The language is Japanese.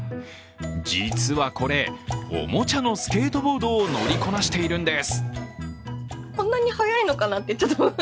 実はこれ、おもちゃのスケートボードを乗りこなしているんです。